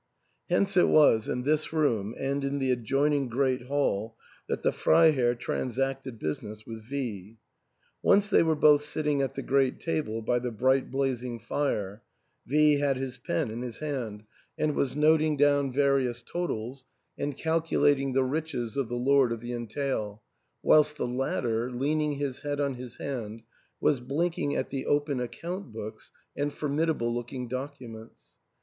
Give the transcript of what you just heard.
Hence it was in this room and in the adjoining great hall that the Freiherr transacted business with V . Once they were both sitting at the great table by the bright blazing fire ; V had his pen in his hand, and was 3" THE ENTAIL. noting down various totals and calculating the riches of the lord of the entail, whilst the latter, leaning his head on his hand, was blinking at the open account books and formidable looking documents.